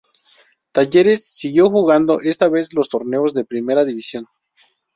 Talleres siguió jugando esta vez los torneos de Primera División.